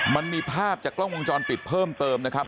มันมีภาพจากกล้องวงจรปิดเพิ่มเติมนะครับ